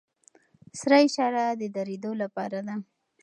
سره اشاره د دریدو لپاره ده.